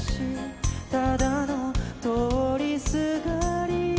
ただの通りすがり